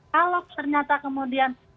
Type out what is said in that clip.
kalau ternyata kemudian